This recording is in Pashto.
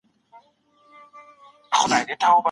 هر وګړي ته مساوي فرصتونه وو.